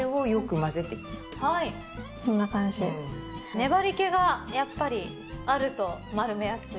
粘り気がやっぱりあると丸めやすい。